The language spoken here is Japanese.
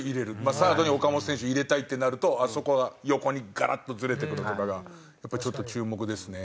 サードに岡本選手を入れたいってなるとあそこが横にガラッとずれてくるとかがやっぱりちょっと注目ですね。